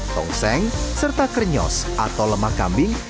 tongseng serta krenyos atau lemak kambing